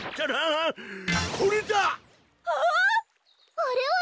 あれは！